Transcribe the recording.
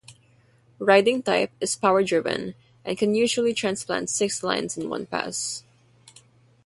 Riding type is power driven and can usually transplant six lines in one pass.